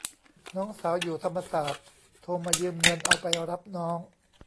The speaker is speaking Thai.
น้องสาวอยู่ธรรมศาสตร์โทรมายืมเงินเอาไปรับน้อง